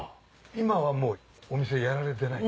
今はもうお店やられてない。